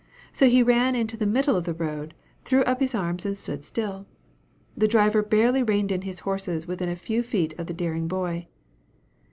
So he ran into the middle of the road, threw up his arms, and stood still. The driver barely reined in his horses within a few feet of the daring boy.